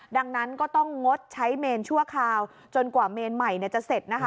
ดังนั้นก็ต้องงดใช้เมนชั่วคราวจนกว่าเมนใหม่จะเสร็จนะคะ